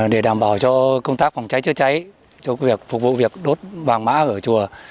để đảm bảo cho công tác phòng cháy chữa cháy cho việc phục vụ việc đốt vàng mã ở chùa